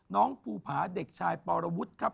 น้องภูพาเด็กชายโปรวุทธ์ครับ